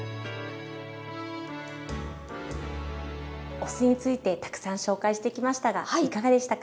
お酢についてたくさん紹介してきましたがいかがでしたか。